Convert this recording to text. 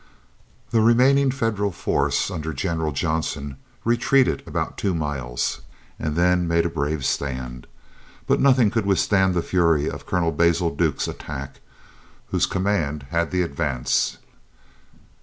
The remaining Federal force under General Johnson retreated about two miles, and then made a brave stand. But nothing could withstand the fury of Colonel Basil Duke's attack, whose command had the advance.